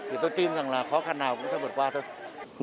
thì tôi tin rằng là khó khăn nào cũng sẽ vượt qua thôi